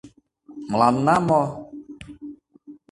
Мыланна мо?